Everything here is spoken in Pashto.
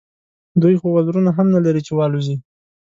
دوی خو وزرونه هم نه لري چې والوزي.